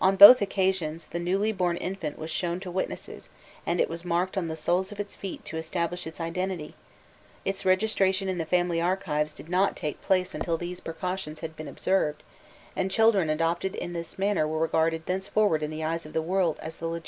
On both occasions the newly born infant was shown to witnesses, and it was marked on the soles of its feet to establish its identity; its registration in the family archives did not take place until these precautions had been observed, and children adopted in this manner were regarded thenceforward in the eyes of the world as the legitimate heirs of the family.